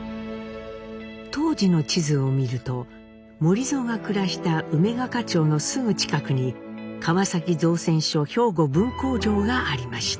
当時の地図を見ると守造が暮らした梅ヶ香町のすぐ近くに川崎造船所兵庫分工場がありました。